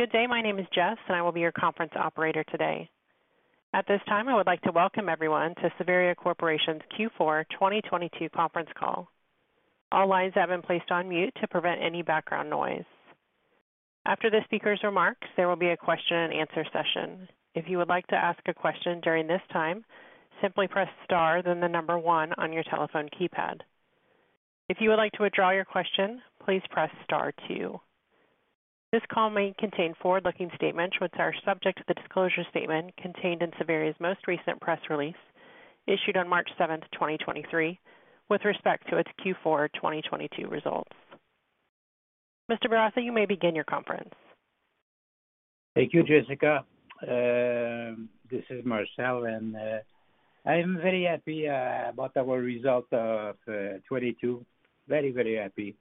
Good day. My name is Jess, and I will be your conference operator today. At this time, I would like to welcome everyone to Savaria Corporation's Q4 2022 conference call. All lines have been placed on mute to prevent any background noise. After the speaker's remarks, there will be a question-and-answer session. If you would like to ask a question during this time, simply press star then the number one on your telephone keypad. If you would like to withdraw your question, please press star two. This call may contain forward-looking statements which are subject to the disclosure statement contained in Savaria's most recent press release issued on March 7th, 2023, with respect to its Q4 2022 results. Mr. Bourassa, you may begin your conference. Thank you, Jessica. This is Marcel, and I am very happy about our result of 2022. Very, very happy.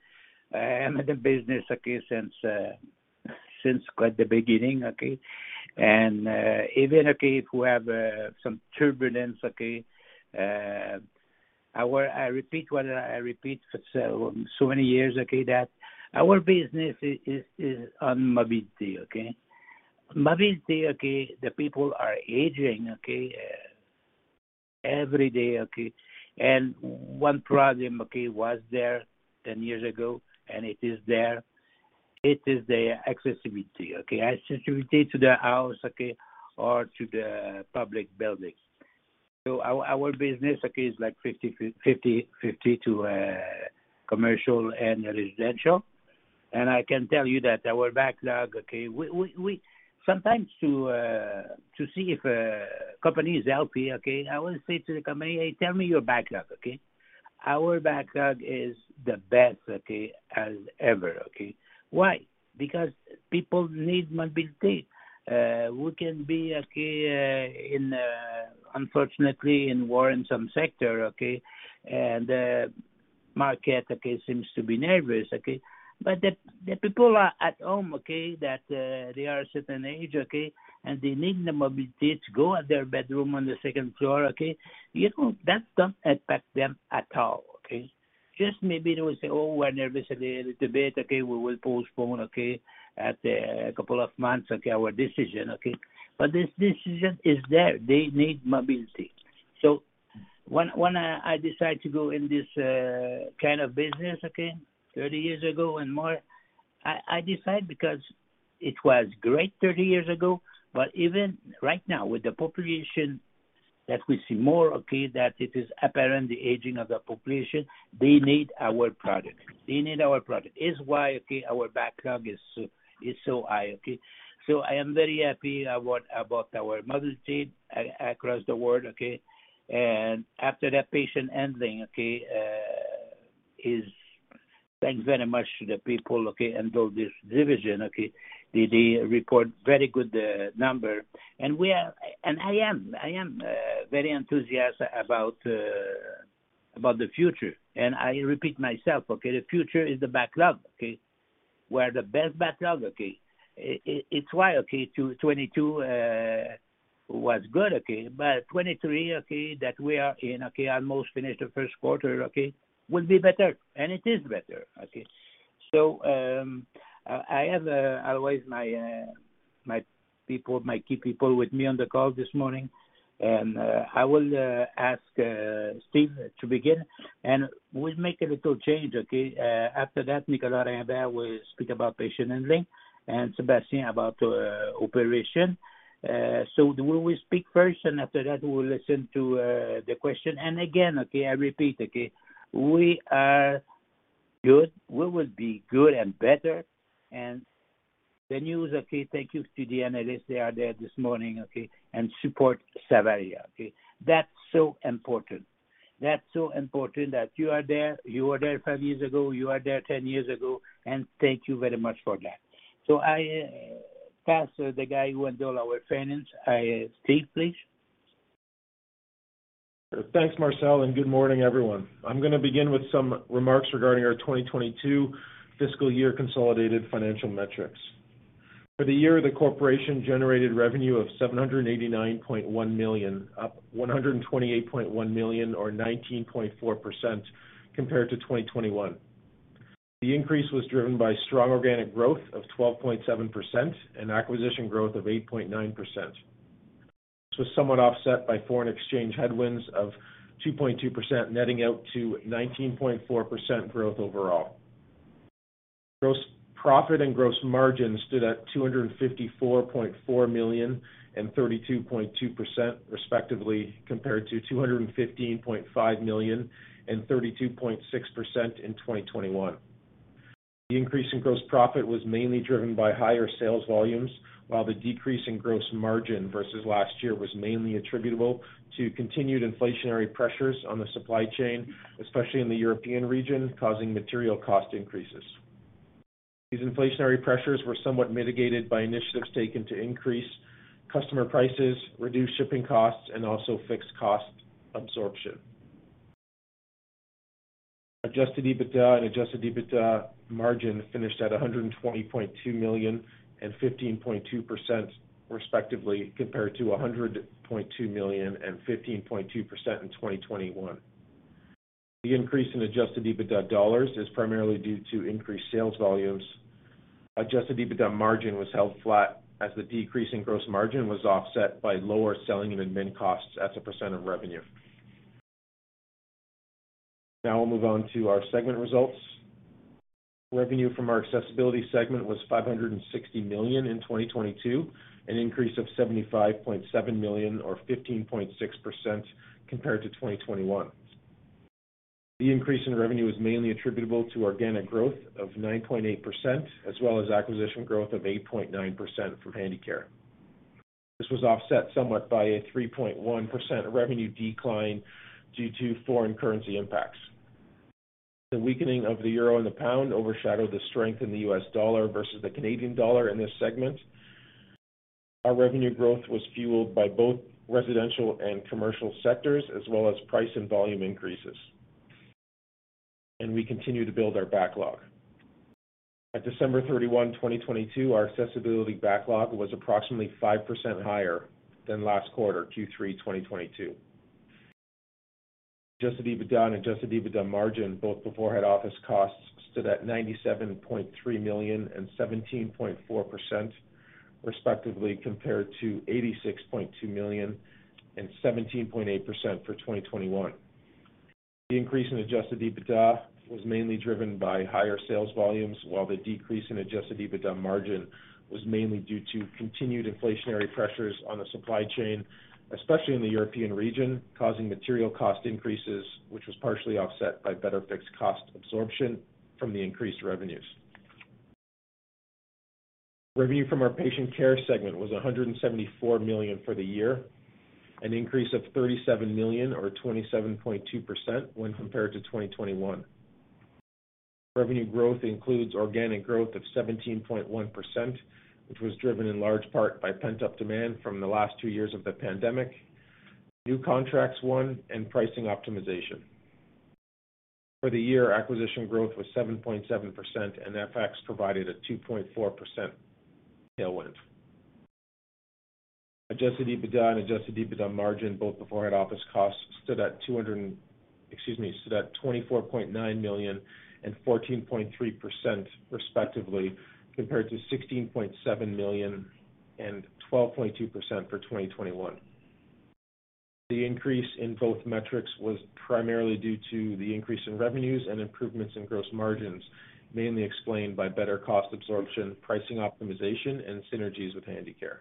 I'm in the business, okay, since quite the beginning, okay? Even, okay, if we have some turbulence, okay, I repeat what I repeat for so many years, okay? That our business is on mobility, okay? Mobility, okay, the people are aging, okay, every day, okay. One problem, okay, was there 10 years ago, and it is there. It is the accessibility, okay. Accessibility to the house, okay, or to the public buildings. Our business, okay, is like 50/50 to commercial and residential. I can tell you that our backlog, sometimes to see if a company is healthy, I will say to the company, "Hey, tell me your backlog." Our backlog is the best as ever. Why? Because people need mobility. We can be unfortunately in war in some sector, and market seems to be nervous. The people are at home that they are a certain age, and they need the mobility to go at their bedroom on the second floor. You know, that don't affect them at all. Just maybe they will say, "Oh, we're nervous a little bit, we will postpone at a couple of months our decision." This decision is there. They need mobility. When I decide to go in this kind of business, okay, 30 years ago and more, I decide because it was great 30 years ago. Even right now, with the population that we see more, okay, that it is apparent the aging of the population, they need our product. They need our product. Is why, okay, our backlog is so high, okay? I am very happy about our mobility across the world, okay? After that Patient Handling, okay, Thanks very much to the people, okay, and all this division, okay. They report very good number. I am very enthusiastic about the future. I repeat myself, okay? The future is the backlog, okay? We are the best backlog, okay? It's why 22 was good. 23 that we are in, almost finished the first quarter, will be better. It is better. I have always my people, my key people with me on the call this morning. I will ask Steve to begin. We'll make a little change. After that, Nicolas Rimbert will speak about patient handling and Sébastien about operation. We will speak first, and after that, we will listen to the question. Again, I repeat, we are good. We will be good and better. The news, thank you to the analysts. They are there this morning. Support Savaria. That's so important. That's so important that you are there. You were there five years ago, you are there 10 years ago, and thank you very much for that. I pass the guy who handle our finance. Steve, please. Thanks, Marcel, and good morning, everyone. I'm gonna begin with some remarks regarding our 2022 fiscal year consolidated financial metrics. For the year, the corporation generated revenue of 789.1 million, up 128.1 million or 19.4% compared to 2021. The increase was driven by strong organic growth of 12.7% and acquisition growth of 8.9%. This was somewhat offset by foreign exchange headwinds of 2.2% netting out to 19.4% growth overall. Gross profit and gross margin stood at 254.4 million and 32.2% respectively, compared to 215.5 million and 32.6% in 2021. The increase in gross profit was mainly driven by higher sales volumes, while the decrease in gross margin versus last year was mainly attributable to continued inflationary pressures on the supply chain, especially in the European region, causing material cost increases. These inflationary pressures were somewhat mitigated by initiatives taken to increase customer prices, reduce shipping costs, and also fixed cost absorption. Adjusted EBITDA and Adjusted EBITDA margin finished at 120.2 million and 15.2% respectively, compared to 100.2 million and 15.2% in 2021. The increase in Adjusted EBITDA dollars is primarily due to increased sales volumes. Adjusted EBITDA margin was held flat as the decrease in gross margin was offset by lower selling and admin costs as a percent of revenue. We'll move on to our segment results. Revenue from our Accessibility segment was 560 million in 2022, an increase of 75.7 million or 15.6% compared to 2021. The increase in revenue is mainly attributable to organic growth of 9.8% as well as acquisition growth of 8.9% from Handicare. This was offset somewhat by a 3.1% revenue decline due to foreign currency impacts. The weakening of the euro and the pound overshadowed the strength in the U.S. dollar versus the Canadian dollar in this segment. Our revenue growth was fueled by both residential and commercial sectors as well as price and volume increases. We continue to build our backlog. At December 31, 2022, our Accessibility backlog was approximately 5% higher than last quarter, Q3 2022. Adjusted EBITDA and Adjusted EBITDA margin both before head office costs stood at 97.3 million and 17.4% respectively, compared to 86.2 million and 17.8% for 2021. The increase in Adjusted EBITDA was mainly driven by higher sales volumes, while the decrease in Adjusted EBITDA margin was mainly due to continued inflationary pressures on the supply chain, especially in the European region, causing material cost increases, which was partially offset by better fixed cost absorption from the increased revenues. Revenue from our Patient Care segment was CAD 174 million for the year, an increase of CAD 37 million or 27.2% when compared to 2021. Revenue growth includes organic growth of 17.1%, which was driven in large part by pent-up demand from the last two years of the pandemic, new contracts won, and pricing optimization. For the year, acquisition growth was 7.7%, and FX provided a 2.4% tailwind. Adjusted EBITDA and Adjusted EBITDA margin, both before head office costs, stood at 24.9 million and 14.3% respectively, compared to 16.7 million and 12.2% for 2021. The increase in both metrics was primarily due to the increase in revenues and improvements in gross margins, mainly explained by better cost absorption, pricing optimization, and synergies with Handicare.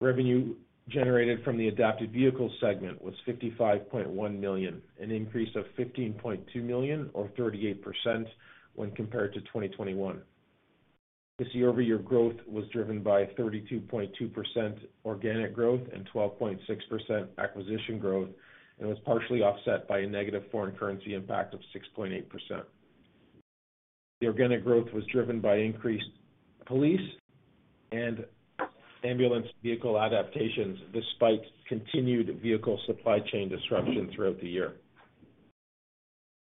Revenue generated from the Adapted Vehicles segment was 55.1 million, an increase of 15.2 million or 38% when compared to 2021. This year-over-year growth was driven by 32.2% organic growth and 12.6% acquisition growth and was partially offset by a negative foreign currency impact of 6.8%. The organic growth was driven by increased police and ambulance vehicle adaptations despite continued vehicle supply chain disruption throughout the year.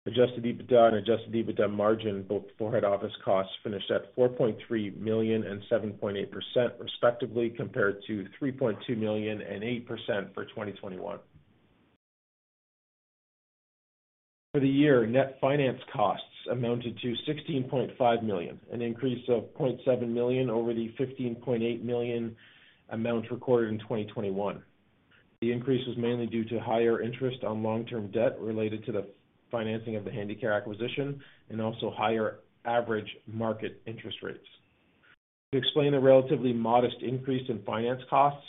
Adjusted EBITDA and Adjusted EBITDA margin, both before head office costs, finished at 4.3 million and 7.8% respectively, compared to 3.2 million and 8% for 2021. For the year, net finance costs amounted to 16.5 million, an increase of 0.7 million over the 15.8 million amount recorded in 2021. The increase was mainly due to higher interest on long-term debt related to the financing of the Handicare acquisition and also higher average market interest rates. To explain the relatively modest increase in finance costs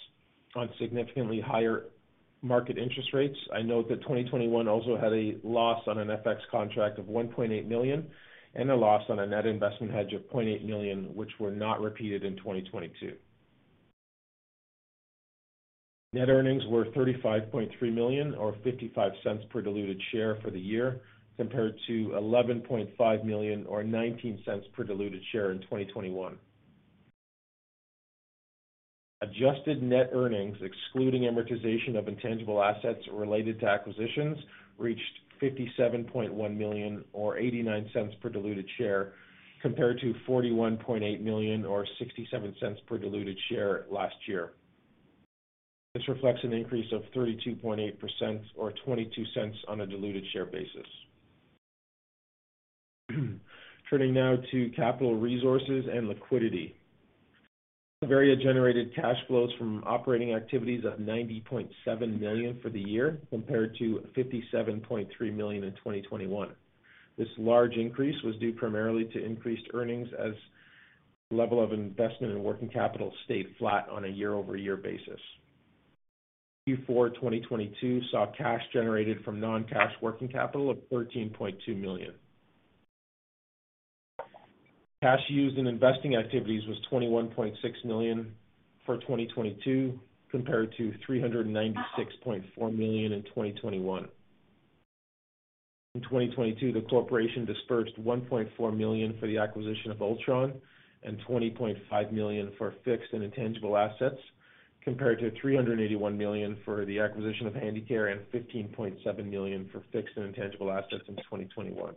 on significantly higher market interest rates, I note that 2021 also had a loss on an FX contract of 1.8 million and a loss on a net investment hedge of 0.8 million, which were not repeated in 2022. Net earnings were 35.3 million or 0.55 per diluted share for the year compared to 11.5 million or 0.19 per diluted share in 2021. Adjusted net earnings excluding amortization of intangible assets related to acquisitions reached 57.1 million or 0.89 per diluted share compared to 41.8 million or 0.67 per diluted share last year. This reflects an increase of 32.8% or $0.22 on a diluted share basis. Turning now to capital resources and liquidity. Savaria generated cash flows from operating activities of $90.7 million for the year compared to $57.3 million in 2021. This large increase was due primarily to increased earnings as level of investment in working capital stayed flat on a year-over-year basis. Q4 2022 saw cash generated from non-cash working capital of $13.2 million. Cash used in investing activities was $21.6 million for 2022 compared to $396.4 million in 2021. In 2022, the Corporation dispersed 1.4 million for the acquisition of Ultron and 20.5 million for fixed and intangible assets, compared to 381 million for the acquisition of Handicare and 15.7 million for fixed and intangible assets in 2021.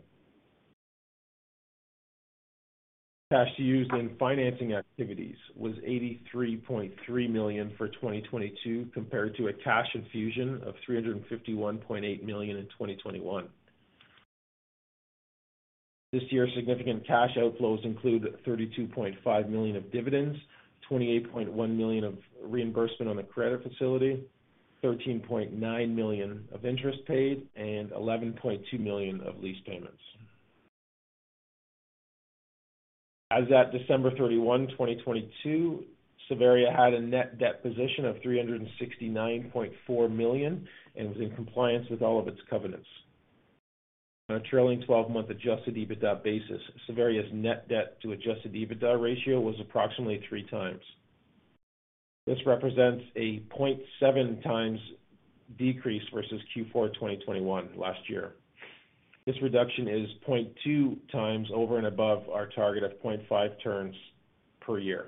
Cash used in financing activities was 83.3 million for 2022 compared to a cash infusion of 351.8 million in 2021. This year, significant cash outflows include 32.5 million of dividends, 28.1 million of reimbursement on the credit facility, 13.9 million of interest paid, and 11.2 million of lease payments. As at December 31, 2022, Savaria had a net debt position of 369.4 million and was in compliance with all of its covenants. On a trailing 12-month Adjusted EBITDA basis, Savaria's net debt to Adjusted EBITDA ratio was approximately 3x. This represents a 0.7x decrease versus Q4 2021 last year. This reduction is 0.2x over and above our target of 0.5 turns per year.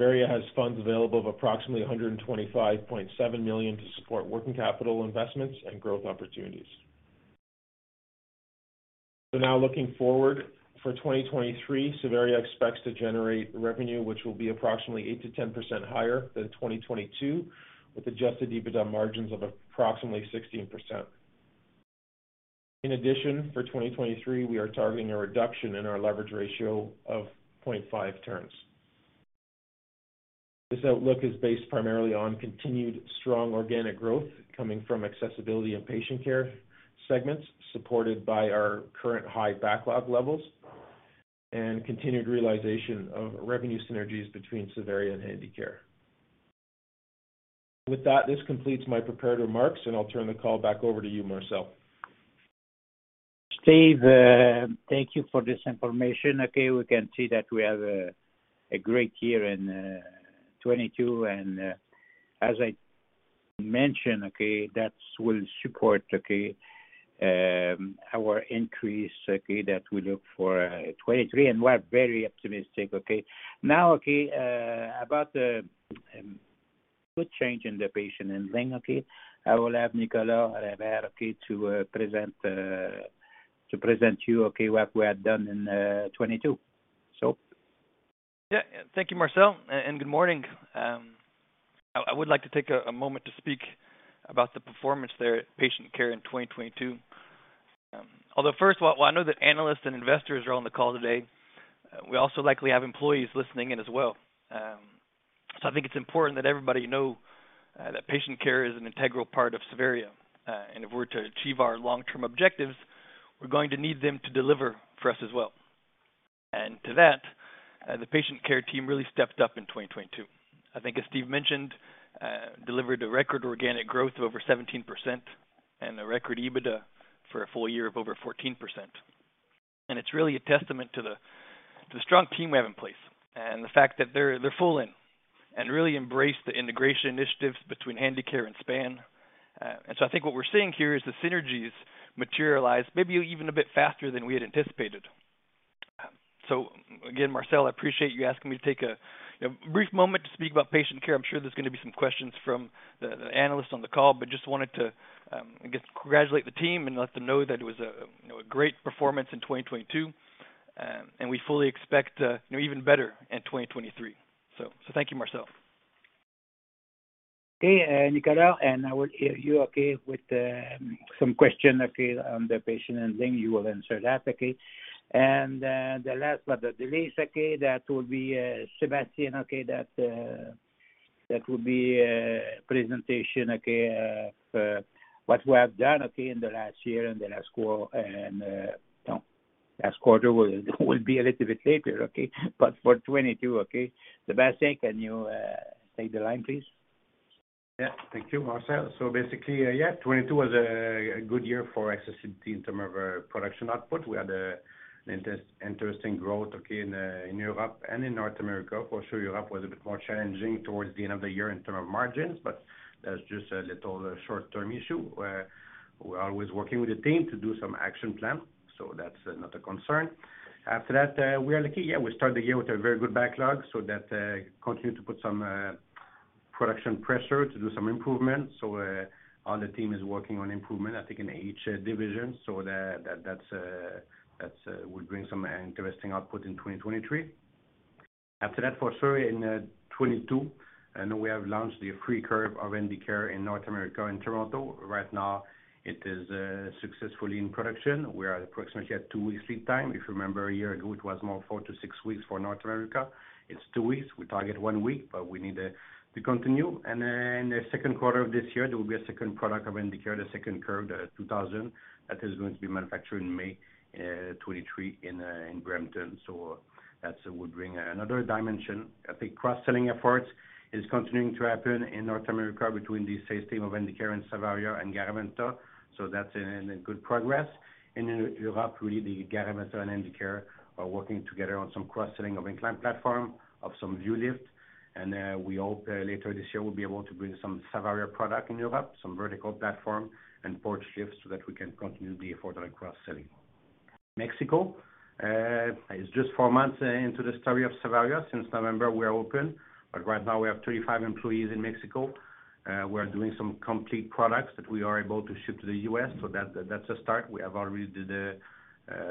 Savaria has funds available of approximately 125.7 million to support working capital investments and growth opportunities. Now looking forward, for 2023, Savaria expects to generate revenue which will be approximately 8%-10% higher than 2022, with Adjusted EBITDA margins of approximately 16%. In addition, for 2023, we are targeting a reduction in our leverage ratio of 0.5 turns. This outlook is based primarily on continued strong organic growth coming from Accessibility and Patient Care segments, supported by our current high backlog levels and continued realization of revenue synergies between Savaria and Handicare. With that, this completes my prepared remarks, and I'll turn the call back over to you, Marcel. Steve, thank you for this information. We can see that we have a great year in 2022. As I mentioned, that will support our increase that we look for 2023, and we're very optimistic. About the good change in the Patient Handling, I will have Nicolas Rimbert to present you what we have done in 2022. Yeah. Thank you, Marcel, and good morning. I would like to take a moment to speak about the performance there at Patient Care in 2022. Although first, while I know that analysts and investors are on the call today, we also likely have employees listening in as well. So I think it's important that everybody know that Patient Care is an integral part of Savaria. If we're to achieve our long-term objectives, we're going to need them to deliver for us as well. To that, the Patient Care team really stepped up in 2022. I think as Steve mentioned, delivered a record organic growth of over 17% and a record EBITDA for a full year of over 14%. It's really a testament to the strong team we have in place and the fact that they're full in and really embrace the integration initiatives between Handicare and Span. I think what we're seeing here is the synergies materialize maybe even a bit faster than we had anticipated. Again, Marcel, I appreciate you asking me to take a brief moment to speak about Patient Care. I'm sure there's gonna be some questions from the analysts on the call, but just wanted to, I guess, congratulate the team and let them know that it was a great performance in 2022. We fully expect, you know, even better in 2023. Thank you, Marcel. Okay, Nicolas, I will hear you, okay, with some question, okay, on the patient, and then you will answer that, okay. The last but the least, okay, that will be Sébastien, okay, that will be presentation, okay, for what we have done, okay, in the last year and the last quarter, and last quarter will be a little bit later, okay. For 2022, okay, Sébastien, can you take the line, please? Yeah. Thank you, Marcel. Basically, yeah, 2022 was a good year for Accessibility in term of our production output. We had interesting growth, okay, in Europe and in North America. Europe was a bit more challenging towards the end of the year in term of margins, but that's just a little short-term issue. We're always working with the team to do some action plan, that's not a concern. We are lucky, yeah, we started the year with a very good backlog, that continued to put some production pressure to do some improvement. All the team is working on improvement, I think in each division. That's will bring some interesting output in 2023. After that, for sure, in 2022, I know we have launched the Freecurve of Handicare in North America in Toronto. Right now it is successfully in production. We are approximately at two weeks lead time. If you remember a year ago, it was more four to six weeks for North America. It's two weeks. We target one week, but we need to continue. In the second quarter of this year, there will be a second product of Handicare, the second curve, the 2000. That is going to be manufactured in May 2023 in Brampton. That would bring another dimension. I think cross-selling efforts is continuing to happen in North America between the sales team of Handicare and Savaria and Garaventa. That's in a good progress. In Europe, really, the Garaventa and Handicare are working together on some cross-selling of inclined platform, of some Vuelift. We hope, later this year, we'll be able to bring some Savaria product in Europe, some vertical platform and porch lifts so that we can continue the affordable cross-selling. Mexico. It's just 4 months into the story of Savaria. Since November, we are open, but right now we have 35 employees in Mexico. We're doing some complete products that we are able to ship to the U.S. That's, that's a start. We have already did a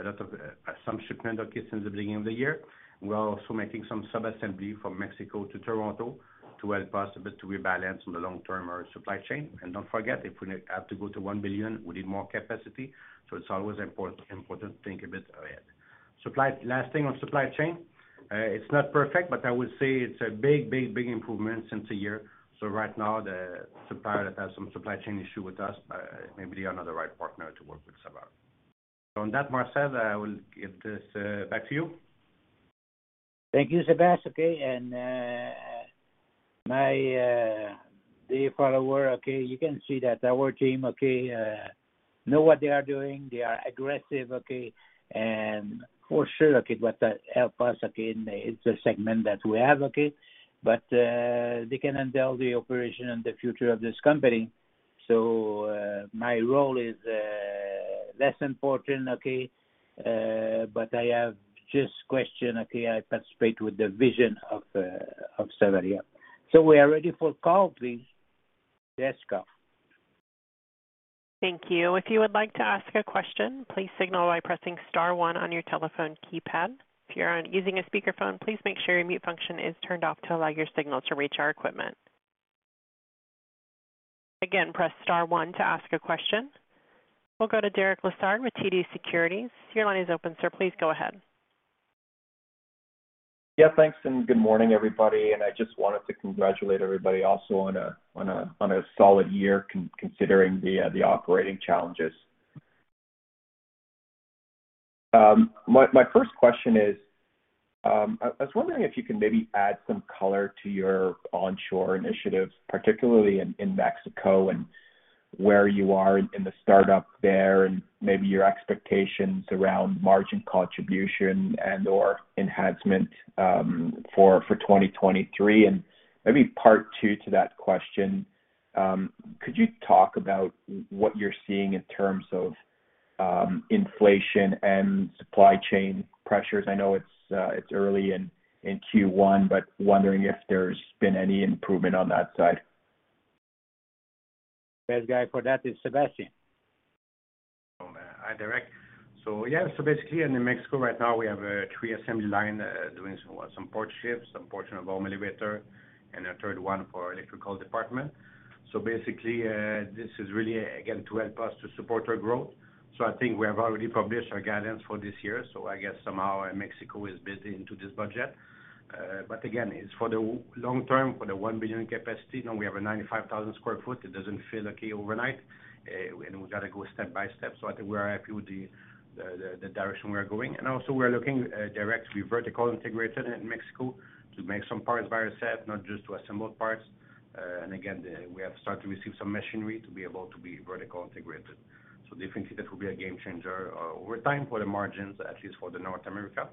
lot of shipment, okay, since the beginning of the year. We are also making some sub-assembly from Mexico to Toronto to help us a bit to rebalance in the long term our supply chain. Don't forget, if we have to go to 1 billion, we need more capacity. It's always important to think a bit ahead. Last thing on supply chain. It's not perfect, but I would say it's a big improvement since a year. Right now, the supplier that has some supply chain issue with us, maybe they are not the right partner to work with Savaria. On that, Marcel, I will give this back to you. Thank you, Sébast. Okay. My, dear follower, okay, you can see that our team, okay, know what they are doing. They are aggressive, okay. For sure, okay, what that help us, okay, it's a segment that we have, okay. They can handle the operation and the future of this company. My role is, less important, okay, but I have just question, okay. I participate with the vision of Savaria. We are ready for call please. Desk call. Thank you. If you would like to ask a question, please signal by pressing star one on your telephone keypad. If you're using a speakerphone, please make sure your mute function is turned off to allow your signal to reach our equipment. Again, press star one to ask a question. We'll go to Derek Lessard with TD Securities. Your line is open, sir. Please go ahead. Yeah, thanks. Good morning, everybody. I just wanted to congratulate everybody also on a solid year considering the operating challenges. My first question is, I was wondering if you can maybe add some color to your onshore initiatives, particularly in Mexico and where you are in the startup there, and maybe your expectations around margin contribution and or enhancement for 2023. Maybe part two to that question, could you talk about what you're seeing in terms of inflation and supply chain pressures? I know it's early in Q1, but wondering if there's been any improvement on that side. Best guy for that is Sébastien. Hi, Derek. Basically in New Mexico right now we have, three assembly line, doing some porch lifts, some portion of home elevator and a third one for electrical department. Basically, this is really again, to help us to support our growth. I think we have already published our guidance for this year. I guess somehow Mexico is built into this budget. Again, it's for the long term, for the 1 billion capacity. Now we have a 95,000 sq ft. It doesn't feel okay overnight, we gotta go step by step. I think we are happy with the direction we are going. Also we're looking, directly vertical integrated in Mexico to make some parts by ourself, not just to assemble parts. We have started to receive some machinery to be able to be vertically integrated. That will be a game changer over time for the margins, at least for North America,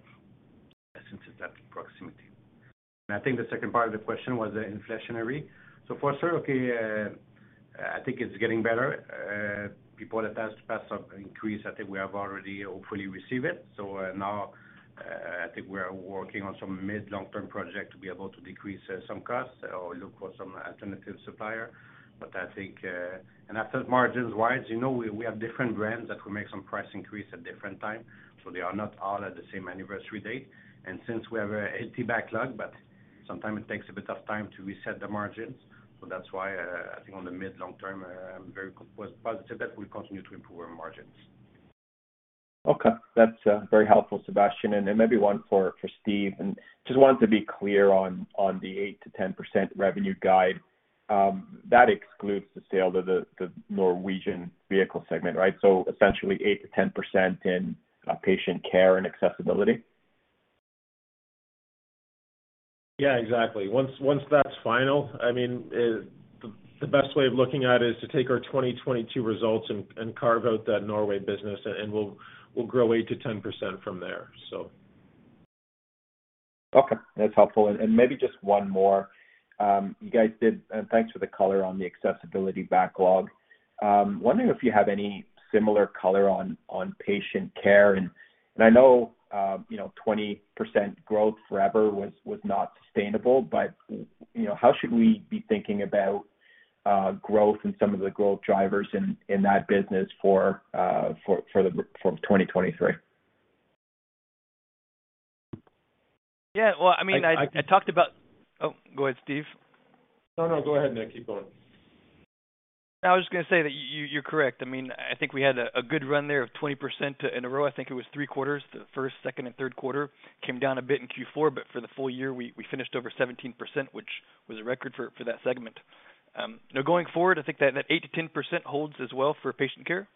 since it's at proximity. The second part of the question was the inflationary. I think it's getting better. People that has to pass some increase, I think we have already hopefully received it. I think we are working on some mid long-term project to be able to decrease some costs or look for some alternative supplier. Margins-wise, you know, we have different brands that will make some price increase at different time, so they are not all at the same anniversary date. Since we have a healthy backlog, but sometime it takes a bit of time to reset the margins. That's why, I think on the mid long-term, I'm very positive that we'll continue to improve our margins. Okay. That's very helpful, Sébastien. Then maybe one for Steve. Just wanted to be clear on the 8%-10% revenue guide, that excludes the sale to the Norwegian vehicle segment, right? Essentially 8%-10% in Patient Care and Accessibility. Yeah, exactly. Once that's final, I mean, the best way of looking at it is to take our 2022 results and carved out that Norway business and we'll grow 8%-10% from there, so. Okay. That's helpful. Maybe just one more. You guys did. Thanks for the color on the Accessibility backlog. Wondering if you have any similar color on Patient Care. I know, you know, 20% growth forever was not sustainable, but you know, how should we be thinking about growth and some of the growth drivers in that business for 2023? Yeah. Well, I mean. I, I- I talked about... Oh, go ahead, Steve. No, no, go ahead, Nick. Keep going. I was just gonna say that you're correct. I mean, I think we had a good run there of 20% in a row. I think it was 3 quarters. The first, second and third quarter came down a bit in Q4, but for the full year, we finished over 17%, which was a record for that segment. You know, going forward, I think that 8%-10% holds as well for Patient Care.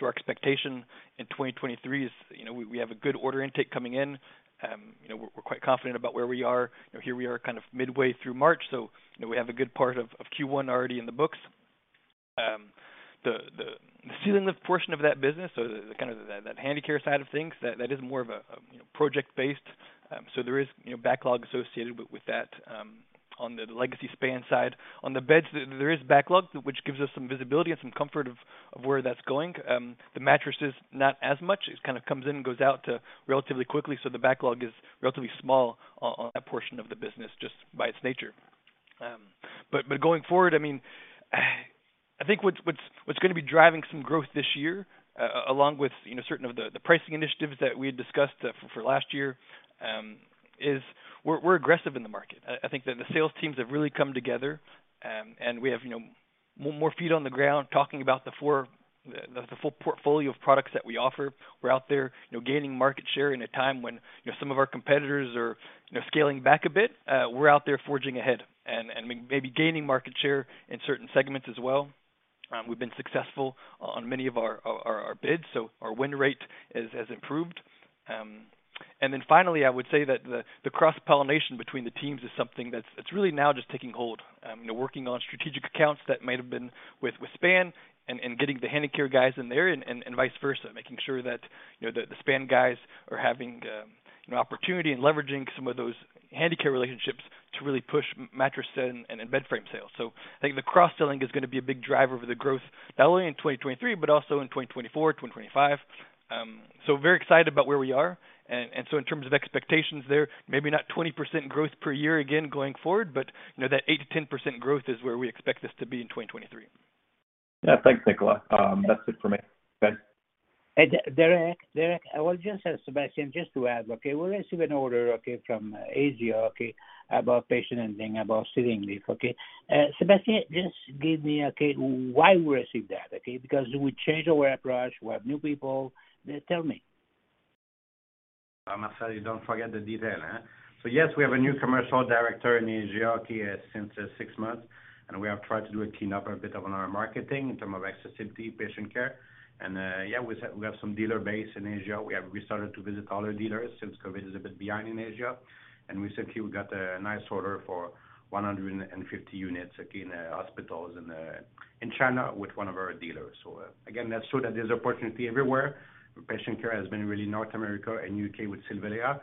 Our expectation in 2023 is, you know, we have a good order intake coming in. You know, we're quite confident about where we are. You know, here we are kind of midway through March, so, you know, we have a good part of Q1 already in the books. The Ceiling Lift portion of that business. The kind of that Handicare side of things, that is more of a, you know, project-based, so there is, you know, backlog associated with that. On the legacy Span side. On the beds, there is backlog which gives us some visibility and some comfort of where that's going. The mattress is not as much. It kind of comes in and goes out relatively quickly, so the backlog is relatively small on that portion of the business just by its nature. Going forward, I mean, I think what's gonna be driving some growth this year, along with, you know, certain of the pricing initiatives that we had discussed for last year, is we're aggressive in the market. I think that the sales teams have really come together, and we have, you know, more feet on the ground talking about the full portfolio of products that we offer. We're out there, you know, gaining market share in a time when, you know, some of our competitors are, you know, scaling back a bit, we're out there forging ahead and maybe gaining market share in certain segments as well. We've been successful on many of our bids, so our win rate has improved. Finally, I would say that the cross-pollination between the teams is something that's really now just taking hold. They're working on strategic accounts that might have been with Span and getting the Handicare guys in there and vice versa, making sure that, you know, the Span guys are having an opportunity in leveraging some of those Handicare relationships to really push mattresses and bed frame sales. I think the cross-selling is gonna be a big driver for the growth, not only in 2023, but also in 2024, 2025. Very excited about where we are. In terms of expectations there, maybe not 20% growth per year again going forward, but, you know, that 8%-10% growth is where we expect this to be in 2023. Yeah. Thanks, Nicola. That's it for me. Ben? Hey, Derek, I will just, Sébastien, just to add, okay, we received an order, okay, from Asia, okay, about patient handling, about patient lift, okay. Sébastien, just give me, okay, why we receive that, okay? Because we change our approach, we have new people. Tell me. Marcel, you don't forget the detail, huh? Yes, we have a new commercial director in Asia, okay, since 6 months, we have tried to do a clean up a bit on our marketing in term of Accessibility, Patient Care. We have some dealer base in Asia. We have restarted to visit all our dealers since COVID is a bit behind in Asia. Recently we got a nice order for 150 units, okay, in hospitals in China with one of our dealers. Again, that show that there's opportunity everywhere. The Patient Care has been really North America and U.K. with Silvalea.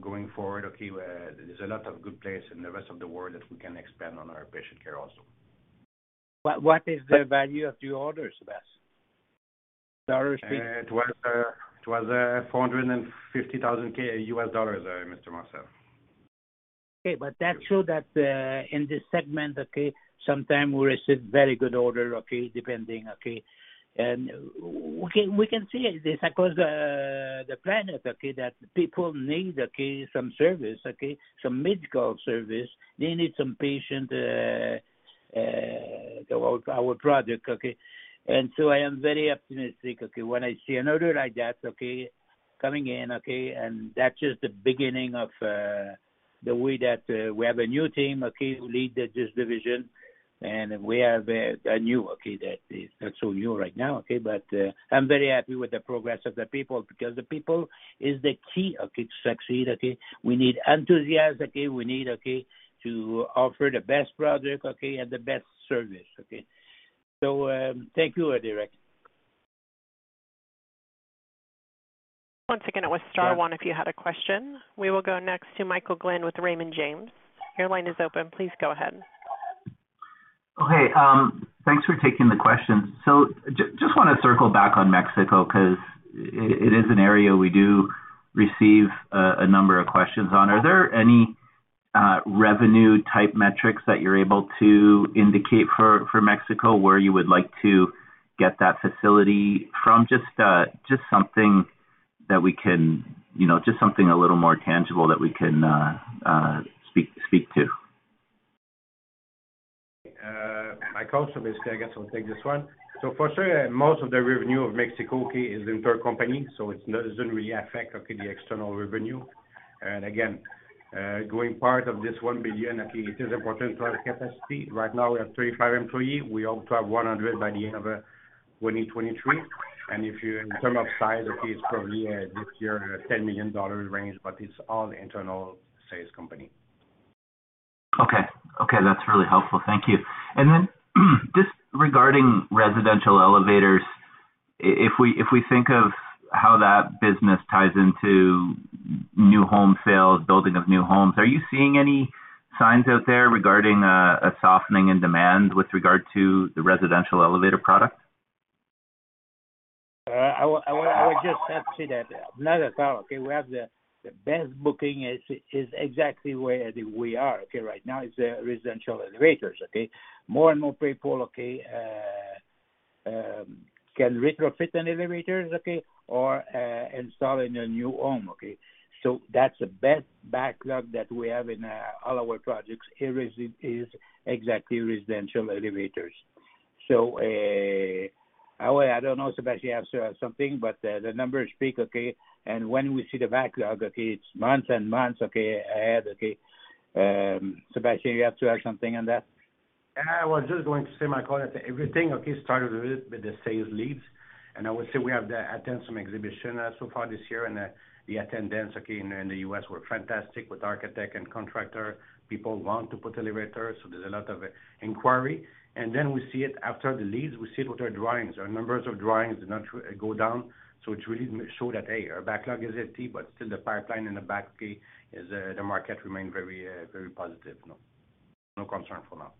Going forward, okay, there's a lot of good place in the rest of the world that we can expand on our Patient Care also. What is the value of the orders, Sébas? Dollar speak. It was $450,000,000, Mr. Marcel. But that show that in this segment, sometime we receive very good order, depending. We can see this across the planet that people need some service, some medical service. They need some patient our product. I am very optimistic when I see an order like that coming in, and that's just the beginning of the way that we have a new team who lead this division. We have a new that is not so new right now, but I'm very happy with the progress of the people because the people is the key to succeed. We need enthusiasm, we need to offer the best product and the best service. Thank you, Derek. Once again, it was star one if you had a question. We will go next to Michael Glen with Raymond James. Your line is open. Please go ahead. Okay, thanks for taking the questions. Just wanna circle back on Mexico 'cause it is an area we do receive a number of questions on. Are there any revenue type metrics that you're able to indicate for Mexico, where you would like to get that facility from just something that we can, you know, just something a little more tangible that we can speak to? Michael, basically, I guess I'll take this one. For sure, most of the revenue of Mexico, okay, is intercompany, doesn't really affect, okay, the external revenue. Again, growing part of this $1 billion, okay, it is important to have capacity. Right now we have 35 employee. We hope to have 100 by the end of 2023. If you in terms of size, okay, it's probably this year $10 million range, but it's all internal sales company. Okay, that's really helpful. Thank you. Just regarding residential elevators, if we think of how that business ties into new home sales, building of new homes, are you seeing any signs out there regarding a softening in demand with regard to the residential elevator product? I would just have to say that not at all, okay. We have the best booking is exactly where we are, okay. Right now is the residential elevators, okay. More and more people, okay, can retrofit an elevators, okay, or install in a new home, okay. That's the best backlog that we have in all our projects. It is exactly residential elevators. I don't know, Sébastien, you have to add something, but the numbers speak, okay, and when we see the backlog, okay, it's months and months, okay, ahead, okay. Sébastien, you have to add something on that? I was just going to say, Michael, that everything, okay, started with the sales leads. I would say we have attend some exhibition so far this year, and the attendance, okay, in the U.S. were fantastic with architect and contractor. People want to put elevator, so there's a lot of inquiry. Then we see it after the leads, we see it with our drawings. Our numbers of drawings did not go down, so it really show that, hey, our backlog is empty, but still the pipeline in the back, okay, is the market remain very positive. No, no concern for now.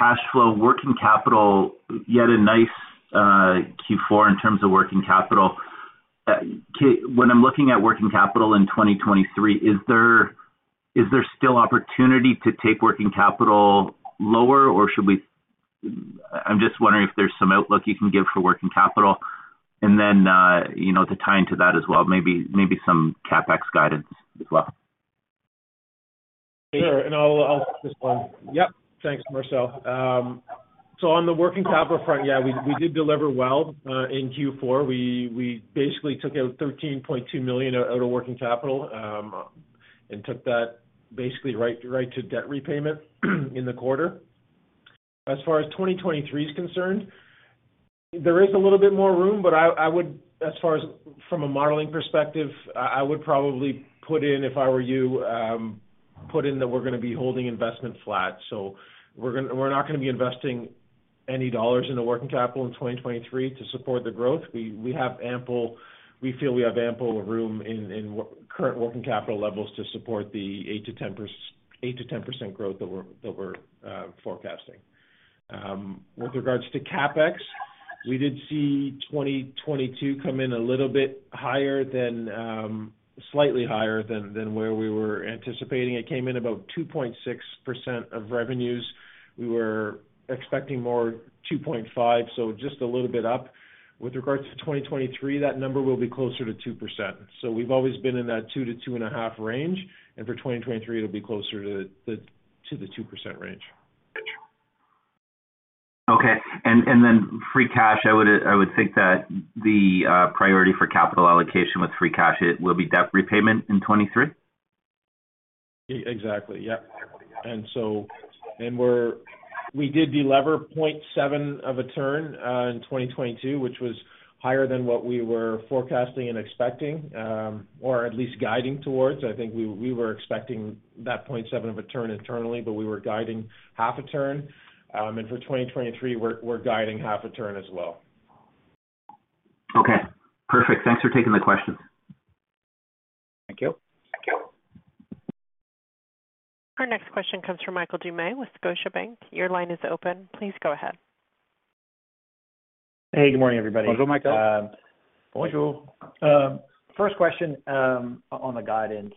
Cash flow working capital, you had a nice Q4 in terms of working capital. When I'm looking at working capital in 2023, is there still opportunity to take working capital lower or should we? I'm just wondering if there's some outlook you can give for working capital. You know, to tie into that as well, maybe some CapEx guidance as well. Sure. I'll take this one. Yep. Thanks, Marcel. On the working capital front, yeah, we did deliver well in Q4. We basically took out 13.2 million out of working capital and took that basically right to debt repayment in the quarter. As far as 2023 is concerned, there is a little bit more room, I would, as far as from a modeling perspective, I would probably put in, if I were you, put in that we're gonna be holding investment flat. We're not gonna be investing any dollars into working capital in 2023 to support the growth. We feel we have ample room in current working capital levels to support the 8%-10% growth that we're forecasting. With regards to CapEx, we did see 2022 come in a little bit higher than slightly higher than where we were anticipating. It came in about 2.6% of revenues. We were expecting more 2.5%, so just a little bit up. With regards to 2023, that number will be closer to 2%. We've always been in that 2%-2.5% range, and for 2023, it'll be closer to the 2% range. Okay. Then free cash, I would think that the priority for capital allocation with free cash, it will be debt repayment in 2023? Exactly, yep. We did delever 0.7 of a turn in 2022, which was higher than what we were forecasting and expecting, or at least guiding towards. I think we were expecting that 0.7 of a turn internally, but we were guiding half a turn. For 2023, we're guiding half a turn as well. Okay, perfect. Thanks for taking the questions. Thank you. Thank you. Our next question comes from Michael Doumet with Scotiabank. Your line is open. Please go ahead. Hey, good morning, everybody. Bonjour, Michael. Bonjour. First question, on the guidance.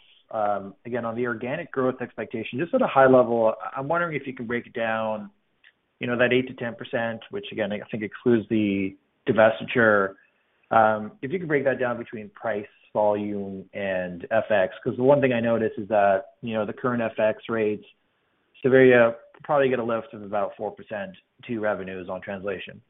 Again, on the organic growth expectation, just at a high level, I'm wondering if you can break it down, you know, that 8%-10%, which again, I think excludes the divestiture, if you could break that down between price, volume, and FX. 'Cause the one thing I noticed is that, you know, the current FX rates, Savaria will probably get a lift of about 4% to revenues on translation.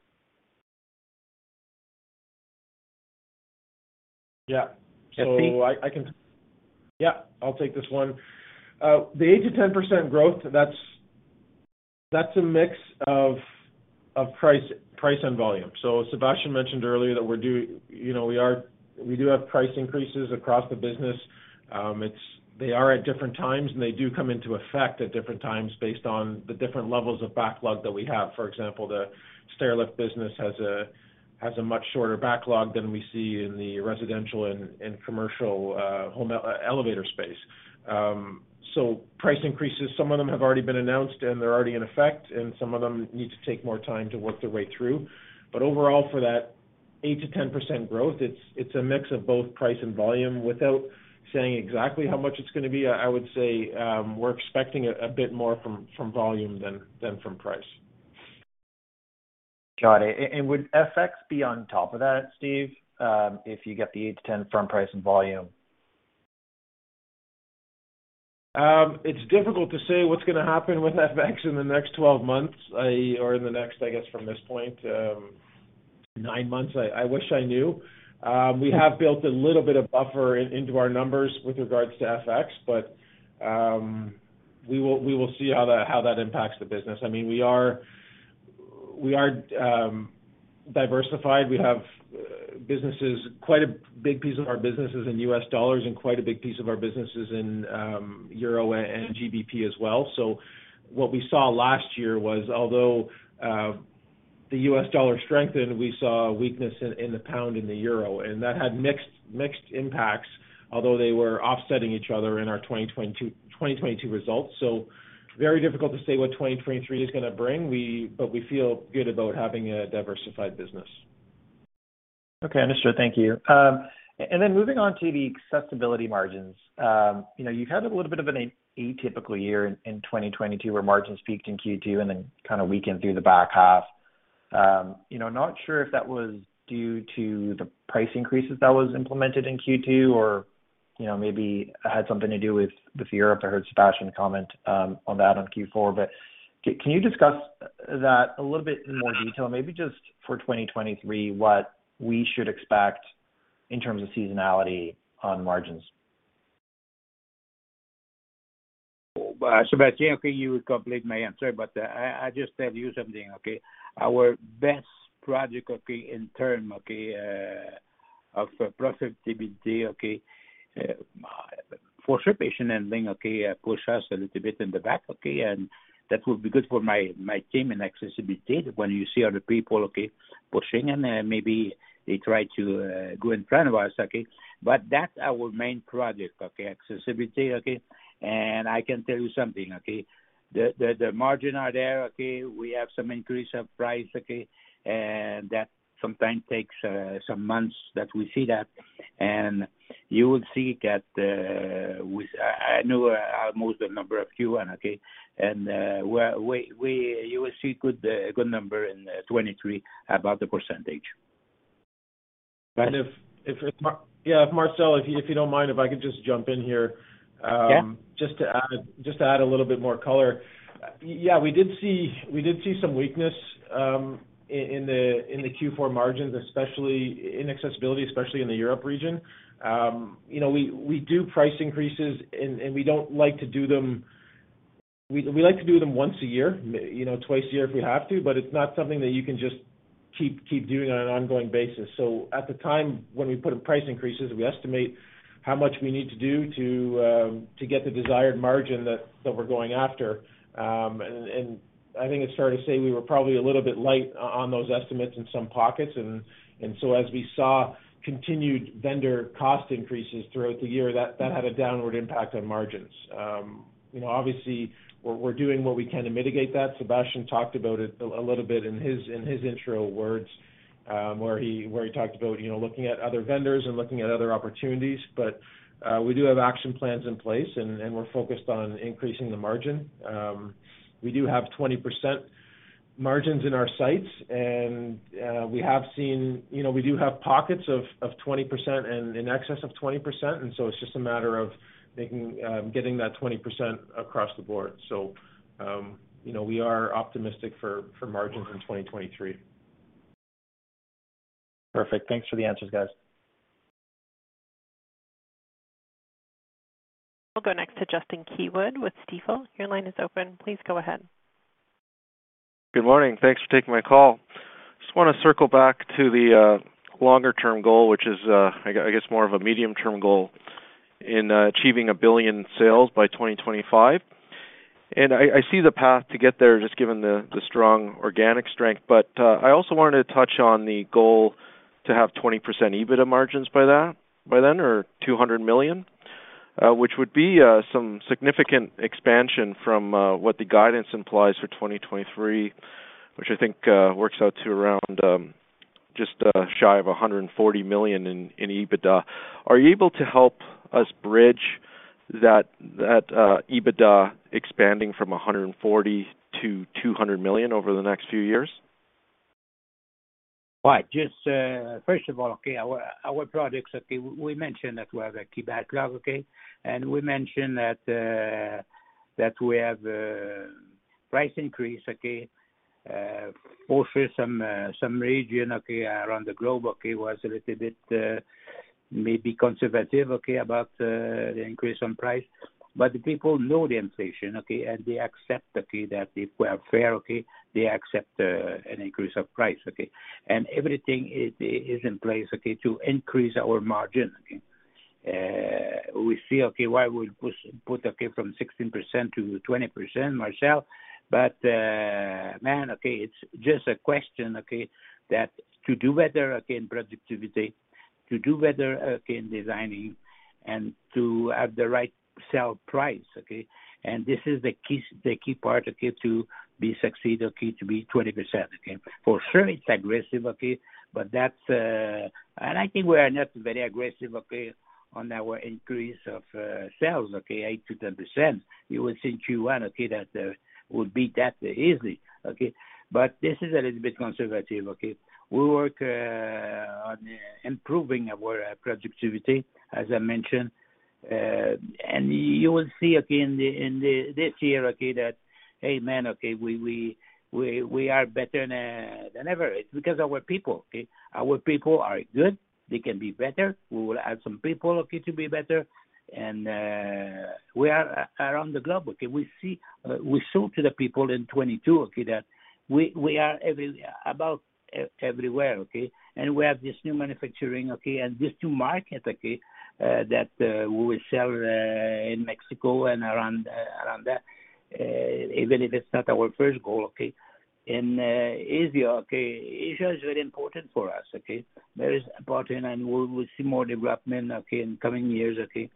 Yeah. Steve? I'll take this one. The 8%-10% growth, that's a mix of price and volume. Sébastien mentioned earlier that you know, we do have price increases across the business. They are at different times, and they do come into effect at different times based on the different levels of backlog that we have. For example, the Stairlift business has a much shorter backlog than we see in the residential and commercial home elevator space. Price increases, some of them have already been announced and they're already in effect, and some of them need to take more time to work their way through. Overall, for that 8%-10% growth, it's a mix of both price and volume. Without saying exactly how much it's gonna be, I would say, we're expecting a bit more from volume than from price. Got it. Would FX be on top of that, Steve, if you get the 8%-10% from price and volume? It's difficult to say what's going to happen with FX in the next 12 months, or in the next, I guess, from this point, 9 months. I wish I knew. We have built a little bit of buffer into our numbers with regards to FX, but we will see how that impacts the business. I mean, we are diversified. We have businesses, quite a big piece of our business is in US dollars and quite a big piece of our business is in euro and GBP as well. What we saw last year was, although the U.S. dollar strengthened, we saw a weakness in the pound and the euro, and that had mixed impacts, although they were offsetting each other in our 2022 results. Very difficult to say what 2023 is going to bring. We feel good about having a diversified business. Okay, understood. Thank you. Moving on to the accessibility margins. You know, you had a little bit of an atypical year in 2022, where margins peaked in Q2 and then kinda weakened through the back half. You know, not sure if that was due to the price increases that was implemented in Q2 or, you know, maybe had something to do with Europe. I heard Sébastien comment on that on Q4. Can you discuss that a little bit in more detail, maybe just for 2023, what we should expect in terms of seasonality on margins? Sébastien, you complete my answer, but I just tell you something. Our best project in term. Of productivity, okay. For sure, patient ending, okay, push us a little bit in the back, okay. That will be good for my team in Accessibility when you see other people, okay, pushing and maybe they try to go in front of us, okay? That's our main project, okay? Accessibility, okay? I can tell you something, okay? The margin are there, okay? We have some increase of price, okay? That sometimes takes some months that we see that. You will see that. I know almost the number of Q1, okay? You will see good number in 23 about the percentage. if Yeah, Marcel, if you don't mind, if I could just jump in here. Yeah. just to add a little bit more color. Yeah, we did see some weakness in the Q4 margins, especially in Accessibility, especially in the Europe region. you know, We like to do them once a year, you know, twice a year if we have to, but it's not something that you can just keep doing on an ongoing basis. At the time when we put in price increases, we estimate how much we need to do to get the desired margin that we're going after. And I think it's fair to say we were probably a little bit light on those estimates in some pockets. As we saw continued vendor cost increases throughout the year, that had a downward impact on margins. You know, obviously we're doing what we can to mitigate that. Sébastien talked about it a little bit in his intro words, where he talked about, you know, looking at other vendors and looking at other opportunities. We do have action plans in place and we're focused on increasing the margin. We do have 20% margins in our sights, we have seen... You know, we do have pockets of 20% and in excess of 20%, it's just a matter of making, getting that 20% across the board. You know, we are optimistic for margins in 2023. Perfect. Thanks for the answers, guys. We'll go next to Justin Keywood with Stifel. Your line is open. Please go ahead. Good morning. Thanks for taking my call. Just wanna circle back to the longer term goal, which is I guess more of a medium term goal in achieving $1 billion in sales by 2025. I see the path to get there just given the strong organic strength. I also wanted to touch on the goal to have 20% EBITDA margins by then or 200 million, which would be some significant expansion from what the guidance implies for 2023, which I think works out to around just shy of 140 million in EBITDA. Are you able to help us bridge that EBITDA expanding from 140 million to 200 million over the next few years? Right. Just, first of all, our products, we mentioned that we have a key backlog. We mentioned that we have a price increase. Also some region around the globe was a little bit maybe conservative about the increase on price. People know the inflation. They accept that if we are fair, they accept an increase of price. Everything is in place to increase our margin. We see why we put, from 16% to 20%, Marcel. Man, it's just a question that to do better in productivity, to do better in designing and to have the right sell price. This is the keys, the key part, okay, to be succeed, okay, to be 20%, okay? For sure it's aggressive, okay, but that's. I think we are not very aggressive, okay, on our increase of sales, okay, 8%-10%. You will see in Q1, okay, that will be that easy, okay? This is a little bit conservative, okay? We work on improving our productivity, as I mentioned. You will see, okay, this year, okay, that, hey, man, okay, we are better than ever. It's because our people, okay? Our people are good. They can be better. We will add some people, okay, to be better. We are around the globe, okay? We see, we show to the people in 22, okay, that we are everywhere, okay? We have this new manufacturing, okay, and these two markets, okay, that we will sell in Mexico and around that, even if it's not our first goal, okay? In Asia, okay, Asia is very important for us, okay? Very important, we will see more development, okay, in coming years, okay?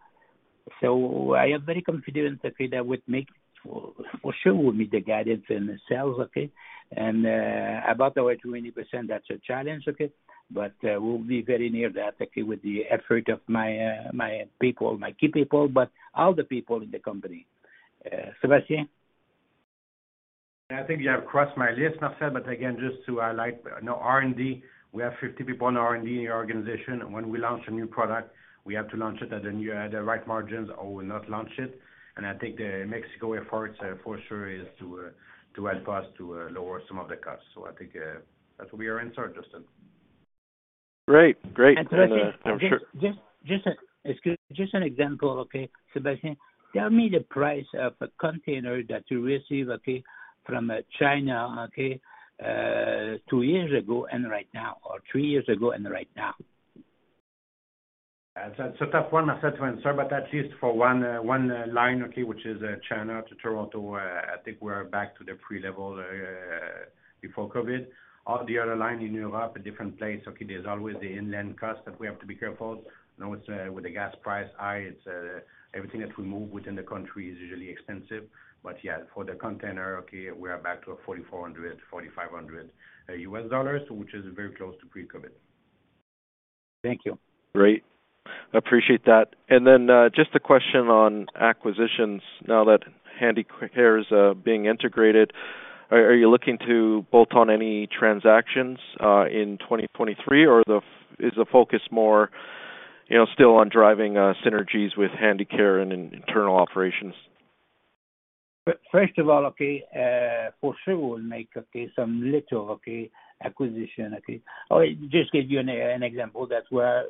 I am very confident, okay, that for sure we'll meet the guidance in the sales, okay? About our 20%, that's a challenge, okay? We'll be very near that, okay, with the effort of my people, my key people, but all the people in the company. Sébastien? I think you have crossed my list, Marcel. Again, just to highlight, you know, R&D, we have 50 people in R&D in the organization. When we launch a new product, we have to launch it at the right margins, or we'll not launch it. I think the Mexico efforts, for sure is to help us to lower some of the costs. I think that will be our answer, Justin. Great. Great. Justin, just an example, okay, Sébastien. Tell me the price of a container that you receive, okay, from China, okay, two years ago and right now or three years ago and right now. It's a tough one, I said, to answer, but at least for one line, okay, which is, China to Toronto, I think we're back to the pre-level before COVID. All the other line in Europe, a different place, okay, there's always the inland cost that we have to be careful. You know, it's with the gas price high, it's everything that we move within the country is usually expensive. Yeah, for the container, okay, we are back to a $4,400-$4,500, which is very close to pre-COVID. Thank you. Great. Appreciate that. Just a question on acquisitions now that Handicare is being integrated. Are you looking to bolt on any transactions in 2023, or is the focus more, you know, still on driving synergies with Handicare and in internal operations? First of all, for sure we'll make some little acquisition. Or just give you an example that we're...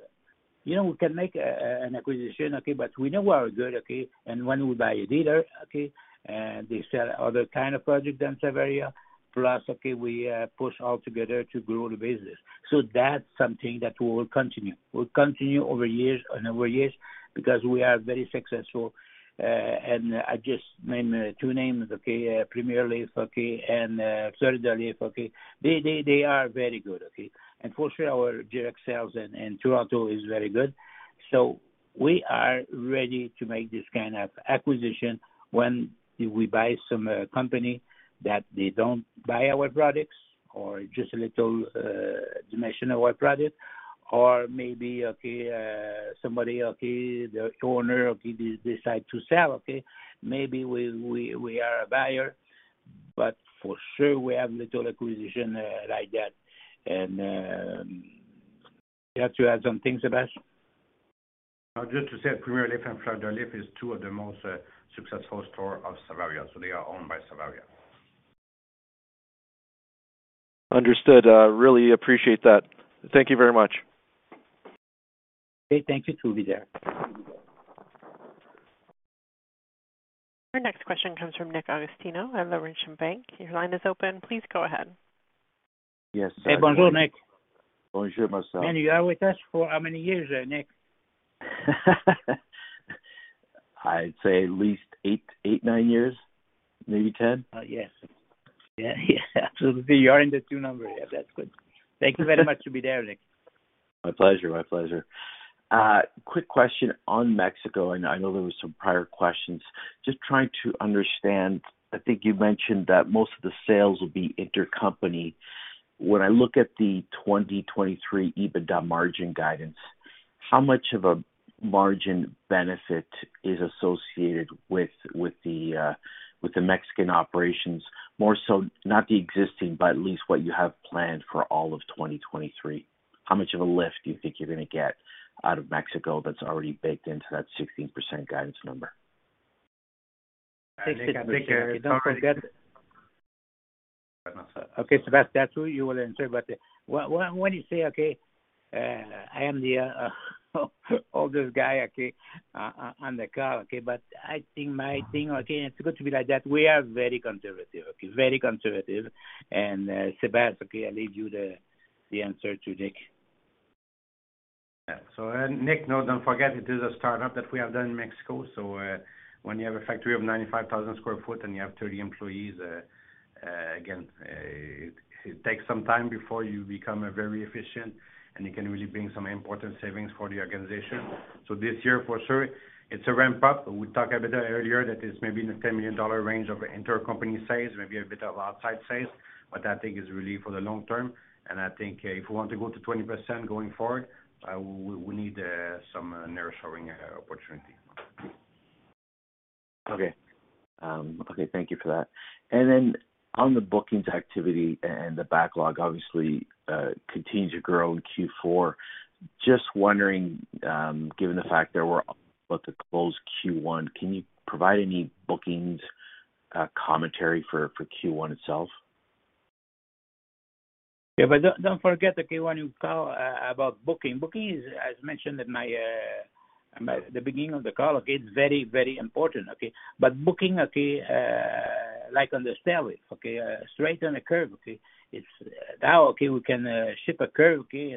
You know, we can make an acquisition, but we know we are good. When we buy a dealer, they sell other kind of project than Savaria, plus, we push all together to grow the business. That's something that we will continue. We'll continue over years and over years because we are very successful. And I just name two names, Premier Lift and Third Lift. They are very good. For sure our in Toronto is very good. We are ready to make this kind of acquisition when we buy some company that they don't buy our products or just a little dimension of our product or maybe somebody decide to sell. Maybe we are a buyer, but for sure we have little acquisition like that. You have to add some things, Sébas? Just to say Premier Lift is two of the most successful store of Savaria. They are owned by Savaria. Understood. Really appreciate that. Thank you very much. Okay. Thank you to be there. Your next question comes from Nick Agostino at Laurentian Bank. Your line is open. Please go ahead. Yes. Hey, bonjour, Nick. Bonjour myself. You are with us for how many years now, Nick? I'd say at least eight, nine years, maybe 10. Yes. Yeah. You are in the 2 number. That's good. Thank you very much to be there, Nick. My pleasure. My pleasure. Quick question on Mexico, and I know there were some prior questions. Just trying to understand, I think you mentioned that most of the sales will be intercompany. When I look at the 2023 EBITDA margin guidance, how much of a margin benefit is associated with the Mexican operations? More so not the existing, but at least what you have planned for all of 2023. How much of a lift do you think you're gonna get out of Mexico that's already baked into that 16% guidance number? Take it, Nick. Don't forget... Okay. Sébas, that's you. You will answer. When you say, okay, I am the oldest guy, okay, on the call, okay, I think my thing, okay, and it's good to be like that, we are very conservative, okay. Very conservative. Sébas, okay, I leave you the answer to Nick. Yeah. Nick, no, don't forget, it is a startup that we have done in Mexico. When you have a factory of 95,000 sq ft and you have 30 employees, again, it takes some time before you become very efficient and you can really bring some important savings for the organization. This year, for sure, it's a ramp-up. We talked a bit earlier that it's maybe in the 10 million dollar range of intercompany sales, maybe a bit of outside sales, but I think it's really for the long term. I think, if we want to go to 20% going forward, we need some nerve-sharing opportunity. Okay. Thank you for that. On the bookings activity and the backlog obviously, continues to grow in Q4. Just wondering, given the fact that we're about to close Q1, can you provide any bookings, commentary for Q1 itself? Yeah, don't forget, okay, when you call about booking. Booking is, as mentioned in the beginning of the call, okay, it's very important, okay? Booking, okay, like on the stairway, okay, straight on the curb, okay, it's now, okay, we can ship a curb, okay,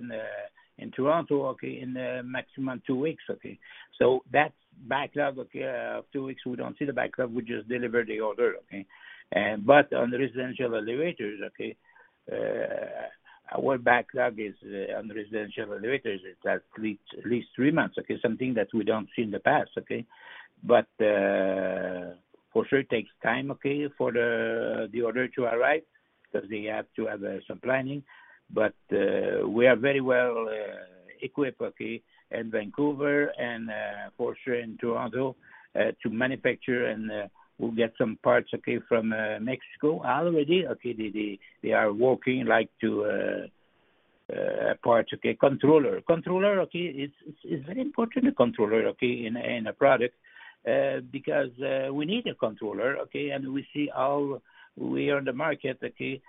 in Toronto, okay, in a maximum 2 weeks, okay. That's backlog, okay. 2 weeks, we don't see the backlog. We just deliver the order, okay. On residential elevators, okay, our backlog is on residential elevators is at least 3 months, okay? Something that we don't see in the past, okay? For sure it takes time, okay, for the order to arrive because they have to have some planning. We are very well equipped, okay, in Vancouver and for sure in Toronto to manufacture and we'll get some parts, okay, from Mexico already. They are working like to parts, okay, controller. Controller, okay, is very important, a controller, okay, in a product because we need a controller, okay? We see how we are in the market, okay,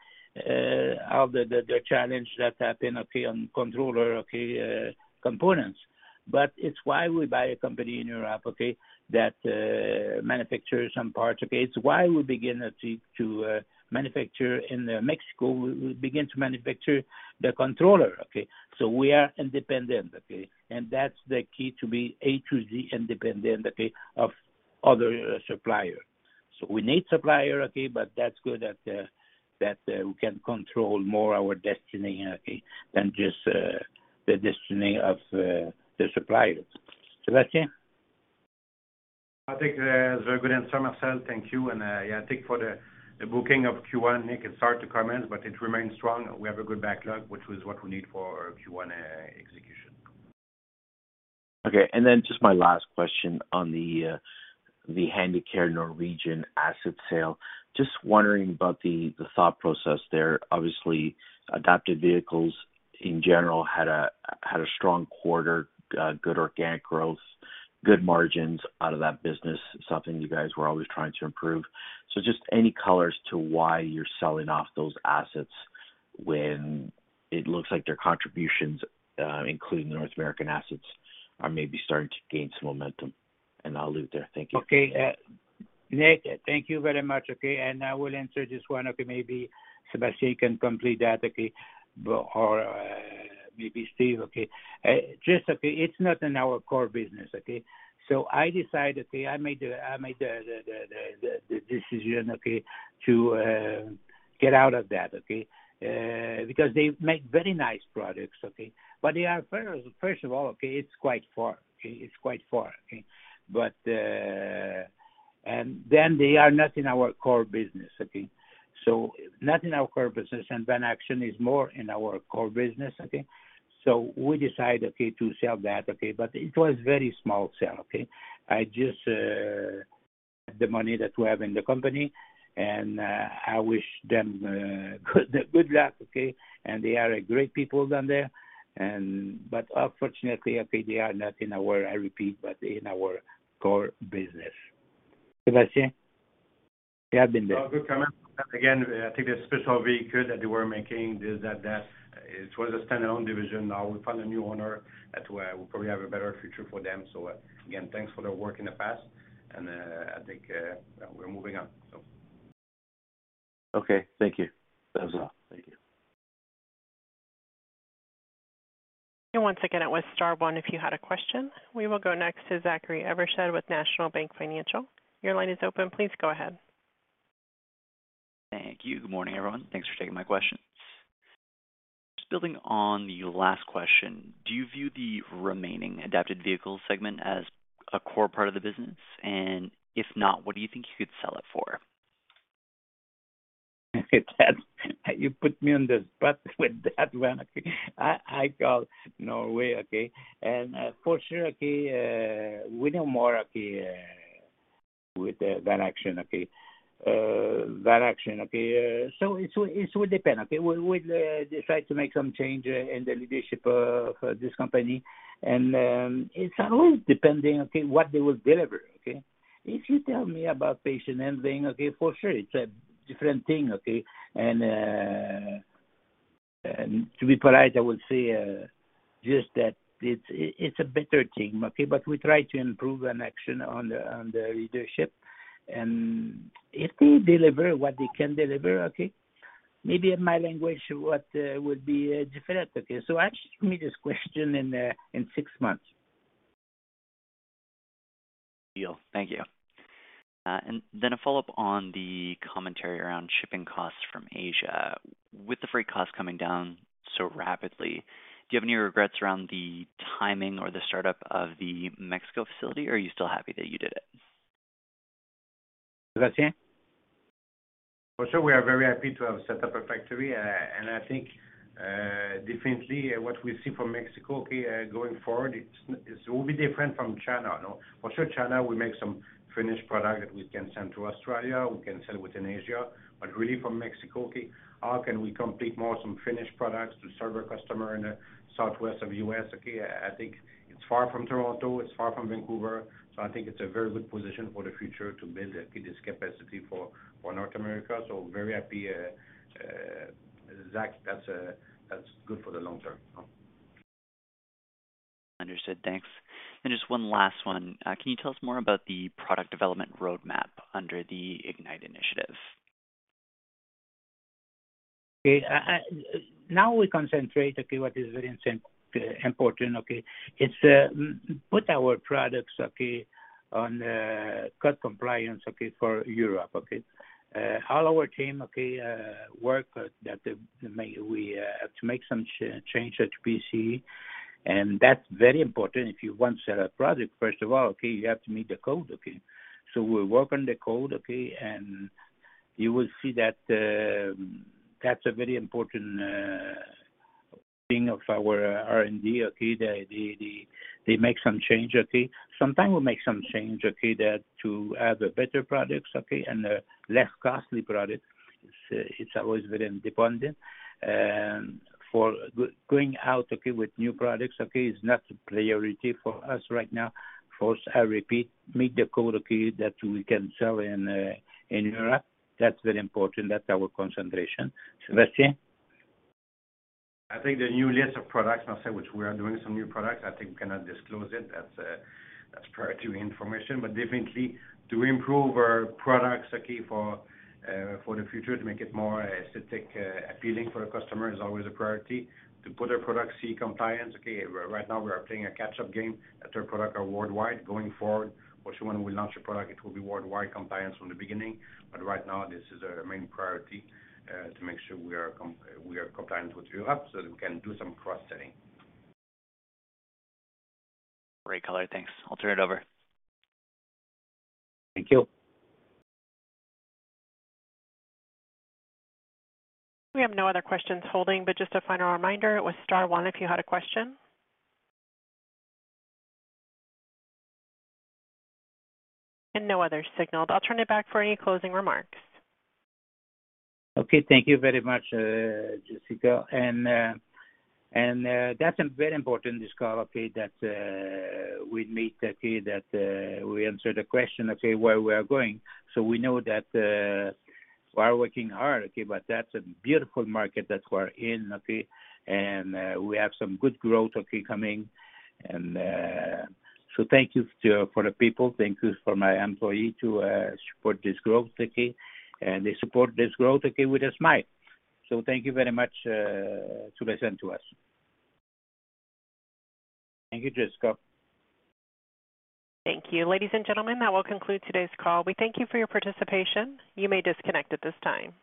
how the challenge that happened, okay, on controller, okay, components. It's why we buy a company in Europe, okay, that manufacture some parts. It's why we begin to manufacture in Mexico. We begin to manufacture the controller, okay? We are independent, okay? That's the key to be A to Z independent, okay, of other supplier. We need supplier, okay, but that's good at that we can control more our destiny, okay, than just the destiny of the suppliers. Sébastien? I think that was a very good answer, Marcel. Thank you. Yeah, I think for the booking of Q1, Nick, it's hard to comment, but it remains strong. We have a good backlog, which is what we need for our Q1 execution. Okay. Then just my last question on the Handicare Norwegian asset sale. Just wondering about the thought process there. Obviously, Adapted Vehicles in general had a, had a strong quarter, good organic growth, good margins out of that business, something you guys were always trying to improve. Just any colors to why you're selling off those assets when it looks like their contributions, including North American assets, are maybe starting to gain some momentum. I'll leave it there. Thank you. Okay. Nick, thank you very much, okay. I will answer this one, okay. Maybe Sébastien can complete that, okay, or maybe Steve, okay. Just, okay, it's not in our core business, okay? I decided, okay, I made the decision, okay, to get out of that, okay? Because they make very nice products, okay? They are first of all, okay, it's quite far, okay? It's quite far, okay? They are not in our core business, okay? Not in our core business, Ascension is more in our core business, okay? We decide, okay, to sell that, okay? It was very small sale, okay? I just, the money that we have in the company, and I wish them good luck, okay? They are a great people down there, but unfortunately, okay, they are not in our, I repeat, but in our core business. Sébastien, you have been there. Good comment. I think the special vehicle that they were making is that it was a standalone division. We found a new owner that will probably have a better future for them. Again, thanks for their work in the past and I think we're moving on. Okay, thank you. That was all. Thank you. Once again, it was star one if you had a question. We will go next to Zachary Evershed with National Bank Financial. Your line is open. Please go ahead. Thank you. Good morning, everyone. Thanks for taking my questions. Just building on the last question, do you view the remaining Adapted Vehicles segment as a core part of the business? If not, what do you think you could sell it for? You put me on the spot with that one. I call Norway, okay? For sure, okay, we know more, okay, with that Ascension, okay. It would depend, okay. We'll decide to make some change in the leadership of this company. It's always depending, okay, what they will deliver, okay? If you tell me about patient handling, okay, for sure it's a different thing, okay? To be polite, I will say just that it's a better thing, okay? We try to improve an Ascension on the leadership. If they deliver what they can deliver, okay, maybe in my language, what would be different, okay? Ask me this question in 6 months. Deal. Thank you. A follow-up on the commentary around shipping costs from Asia. With the freight costs coming down so rapidly, do you have any regrets around the timing or the startup of the Mexico facility, or are you still happy that you did it? Sébastien? For sure, we are very happy to have set up a factory. I think, definitely what we see from Mexico, okay, going forward, it will be different from China. For sure, China will make some finished product that we can send to Australia, we can sell within Asia. Really from Mexico, okay, how can we complete more some finished products to serve our customer in the southwest of US, okay? I think it's far from Toronto, it's far from Vancouver, I think it's a very good position for the future to build this capacity for North America. Very happy, Zach, that's good for the long term. Understood. Thanks. Just one last one. Can you tell us more about the product development roadmap under the Ignite initiative? Okay. Now we concentrate what is very important. It's put our products on CE compliance for Europe. All our team work to make some change at CE. That's very important. If you want to sell a product, first of all, you have to meet the code. We work on the code. You will see that that's a very important thing of our R&D. They make some change. Sometimes we make some change that to have a better products and a less costly product. It's always very independent. For going out with new products is not a priority for us right now. First, I repeat, meet the code, okay, that we can sell in Europe. That's very important. That's our concentration. Sébastien? I think the new list of products, Marcel, which we are doing some new products, I think we cannot disclose it. That's priority information. Definitely to improve our products, okay, for the future, to make it more aesthetic appealing for the customer is always a priority. To put our products CE compliance, okay, right now we are playing a catch-up game that our product are worldwide. Going forward, once you want to launch a product, it will be worldwide compliance from the beginning. Right now, this is our main priority to make sure we are compliant with Europe so that we can do some cross-selling. Great color. Thanks. I'll turn it over. Thank you. We have no other questions holding, but just a final reminder, it was star one if you had a question. No other signaled. I'll turn it back for any closing remarks. Okay. Thank you very much, Jessica. That's a very important, this call, okay, that, we meet, okay, that, we answer the question, okay, where we are going. We know that we are working hard, okay, but that's a beautiful market that we're in, okay, and we have some good growth, okay, coming. For the people, thank you for my employee to support this growth, okay, and they support this growth, okay, with a smile. Thank you very much, to listen to us. Thank you, Jessica. Thank you. Ladies and gentlemen, that will conclude today's call. We thank you for your participation. You may disconnect at this time.